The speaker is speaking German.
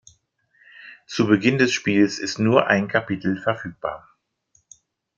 Zu Beginn des Spiels ist nur ein Kapitel verfügbar.